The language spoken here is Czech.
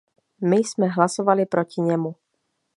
My jsme hlasovali proti němu.